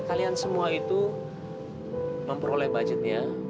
kalian semua itu memperoleh budgetnya